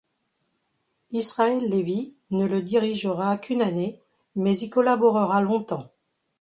Israël Lévi ne le dirigera qu'une année, mais y collaborera longtemps.